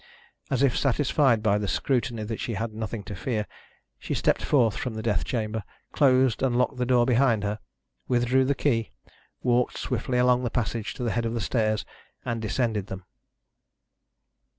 As if satisfied by the scrutiny that she had nothing to fear, she stepped forth from the death chamber, closed and locked the door behind her, withdrew the key, walked swiftly along the passage to the head of the stairs, and descended them.